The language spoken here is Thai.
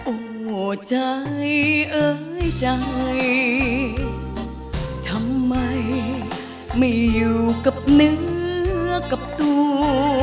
โอ้โหใจเอ่ยใจทำไมไม่อยู่กับเนื้อกับตัว